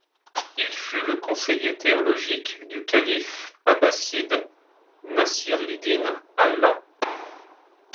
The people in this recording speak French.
Il fut le conseiller théologique du khalife abbasside Nasir li-din Allah.